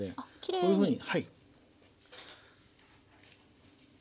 こういうふうに。